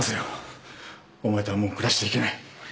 お前とはもう暮らしていけない